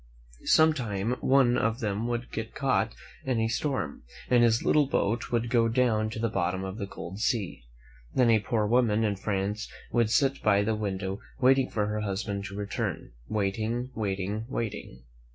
Sometime one of them would get caught in a storm, and his little boat would go down to the bottom of the cold sea. Then a poor woman in France would sit by the window waiting for her husband to return — waiting, waiting, waiting.